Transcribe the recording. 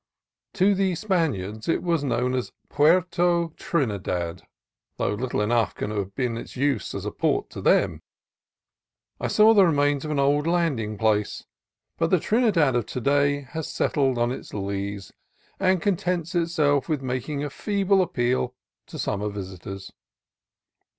To the Spaniards it was known as Puerto Trinidad, though little enough can have been its use as a port to them. I saw the remains of an old landing place, but the Trinidad of to day has settled on its lees, and contents itself with making a feeble appeal to summer visitors.